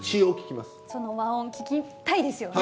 その和音聞きたいですよね？